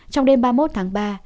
trong đêm ba mươi một tháng ba